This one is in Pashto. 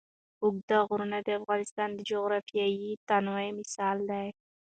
اوږده غرونه د افغانستان د جغرافیوي تنوع مثال دی.